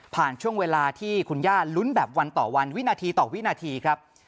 ช่วงเวลาที่คุณย่าลุ้นแบบวันต่อวันวินาทีต่อวินาทีครับ